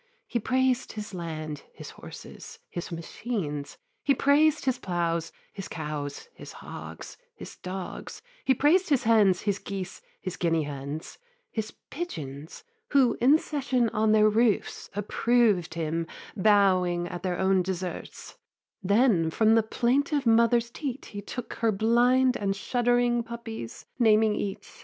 He praised his land, his horses, his machines; He praised his ploughs, his cows, his hogs, his dogs; He praised his hens, his geese, his guinea hens; His pigeons, who in session on their roofs Approved him, bowing at their own deserts: Then from the plaintive mother's teat he took Her blind and shuddering puppies, naming each.